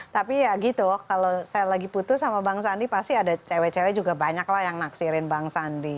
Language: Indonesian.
tapi ya gitu kalau saya lagi putus sama bang sandi pasti ada cewek cewek juga banyak lah yang naksirin bang sandi